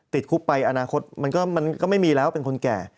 ติดคุกไปอนาคตมันก็ไม่มีแล้วเป็นคนแก่